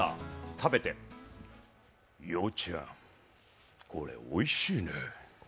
食べてようちゃん、これおいしいねえ。